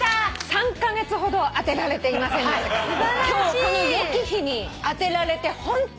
３カ月ほど当てられていませんでしたから今日この良き日に当てられてホントに。